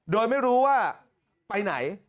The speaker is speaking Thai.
โดยไม่รู้ว่าไปไหน